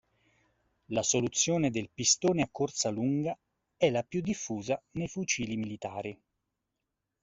La soluzione del "pistone a corsa lunga" è la più diffusa nei fucili militari.